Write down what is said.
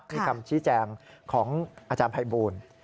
มีคำชี้แจงของอาจารย์ภัยบูล